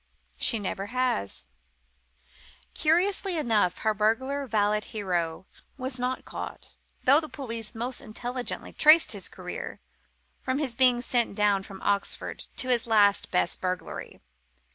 She never has. Curiously enough, her Burglar Valet Hero was not caught, though the police most intelligently traced his career, from his being sent down from Oxford to his last best burglary.